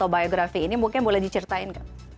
biografi ini mungkin boleh diceritain nggak